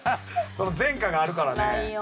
その前科があるからね。